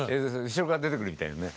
後ろから出てくるみたいなね。